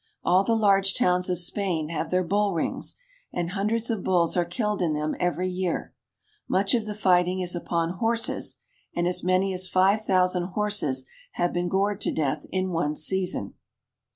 All the large towns of Spain have their bull rings, and hundreds of bulls are killed in them every year. Much of the fighting is upon horses, and as many as five thousand horses have been gored to death in one season.